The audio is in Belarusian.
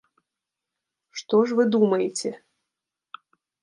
Што ж вы думаеце?